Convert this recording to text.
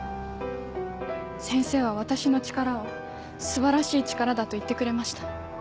先生は私の力を素晴らしい力だと言ってくれました。